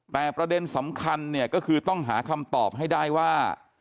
แต่ประเด็นสำคัญเนี่ยก็คือต้องหาคำตอบให้ได้ว่า